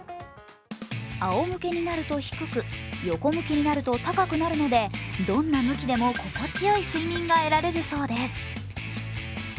あおむけになると低く、横向きになると高くなるのでどんな向きでも心地よい睡眠が得られるそうです。